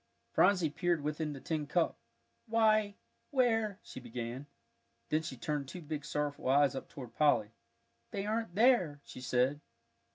Phronsie peered within the tin cup. "Why where " she began. Then she turned two big sorrowful eyes up toward Polly. "They aren't there," she said.